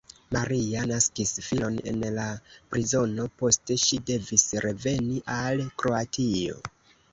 Maria naskis filon en la prizono, poste ŝi devis reveni al Kroatio.